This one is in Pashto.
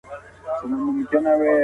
آیا په لیکلو سره یاداښتونه تلپاتي وي؟